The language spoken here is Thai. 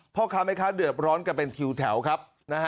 เพราะทำให้ค้าเดิบร้อนกันเป็นคิวแถวครับ